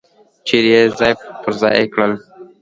چیرې یې ځای پر ځای کړل.